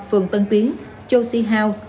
phường tân tiến josie house